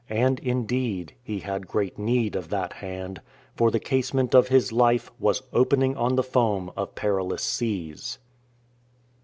And, indeed, he had great need of that Hand; for the casement of his life was "opening on the foam Of perilous seas."